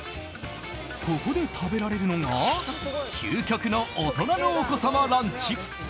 ここで食べられるのが究極の大人のお子様ランチ。